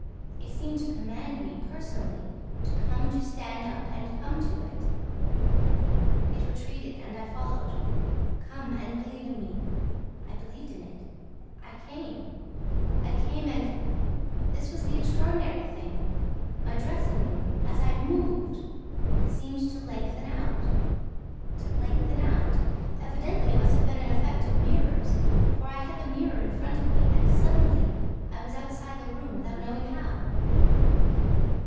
It seemed to command me, personally, to come, to stand up and come to it. It retreated and I followed. 'Come! And believe in me!' I believed in it, I came ... I came and this was the extraordinary thing my dressing room, as I moved, seemed to lengthen out ... to lengthen out ... Evidently, it must have been an effect of mirrors ... for I had the mirror in front of me ... And, suddenly, I was outside the room without knowing how!"